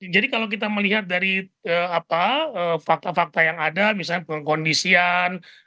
jadi kalau kita melihat dari fakta fakta yang ada misalnya pengkondisian